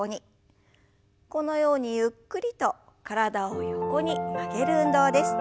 このようにゆっくりと体を横に曲げる運動です。